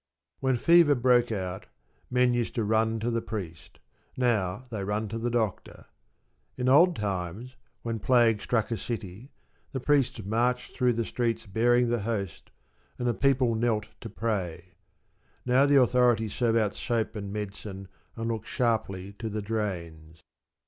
When fever broke out, men used to run to the priest: now they run to the doctor. In old times when plague struck a city, the priests marched through the streets bearing the Host, and the people knelt to pray; now the authorities serve out soap and medicine and look sharply to the drains.